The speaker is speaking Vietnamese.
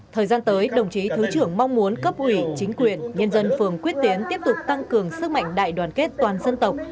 thời gian tới đồng chí thứ trưởng mong muốn cấp ủy chính quyền nhân dân phường quyết tiến tiếp tục tăng cường sức mạnh đại đoàn kết toàn dân tộc